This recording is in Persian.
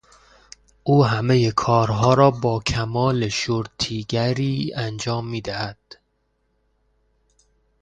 او همهی کارها را با کمال شورتیگری انجام میدهد.